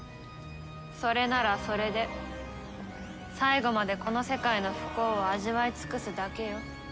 それならそれで最後までこの世界の不幸を味わい尽くすだけよ。